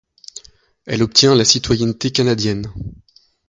Elle obtient la citoyenneté canadienne.